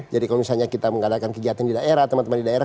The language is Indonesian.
jadi kalau misalnya kita mengadakan kegiatan di daerah teman teman di daerah